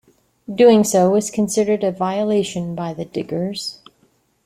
Doing so was considered a violation by the Diggers.